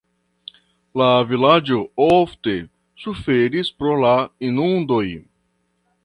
La vilaĝo ofte suferis pro la inundoj.